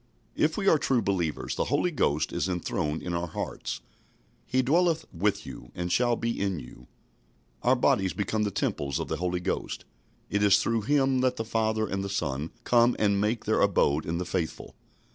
If we are true believers, the Holy Ghost is enthroned in our hearts. "He dwelleth with you, and shall be in you." Our bodies become the temples of the Holy Ghost. It is through Him that the Father and the Son come and make their abode in the faithful.